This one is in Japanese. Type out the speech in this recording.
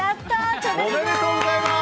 おめでとうございます。